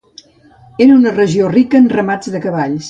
Era una regió rica en ramats de cavalls.